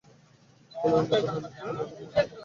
ফুলের মতো নয়, বিদ্যুতের রেখার মতো।